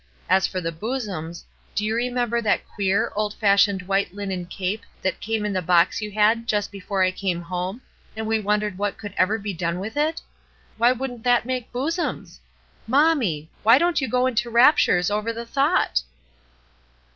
As for the bosoms, do you remember that queer, old fashioned white linen cape that came in the box you had just before I came home, and we wondered what could ever be done with it? Why wouldn't that make bosoms? Mommie! Why don't you go into raptures over the thought?"